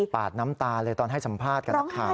ดน้ำตาเลยตอนให้สัมภาษณ์กับนักข่าว